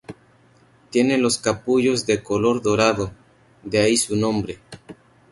Tiene los capullos de color dorado, de ahí su nombre.